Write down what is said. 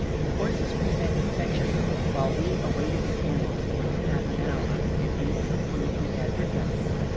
The horses were sent to fetch a little, while we awaited the camels more than half an hour, and ate some food we had with us.